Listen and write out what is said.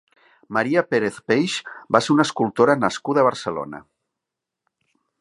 Maria Pérez Peix va ser una escultora nascuda a Barcelona.